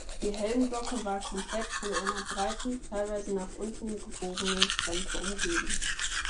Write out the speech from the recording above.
Die Helmglocke war komplett von einer breiten, teilweise nach unten gebogenen Krempe umgeben.